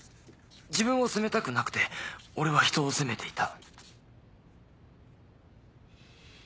自分を責めたくなくて俺は人を責めていた」。